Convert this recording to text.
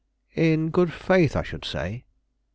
"In good faith, I should say." Mr.